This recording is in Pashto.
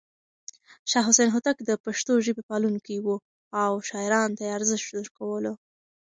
شاه حسين هوتک د پښتو ژبې پالونکی و او شاعرانو ته يې ارزښت ورکولو.